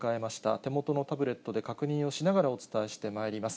手元のタブレットで確認をしながらお伝えしてまいります。